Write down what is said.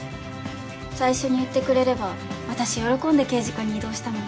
最初に言ってくれれば私喜んで刑事課に異動したのに。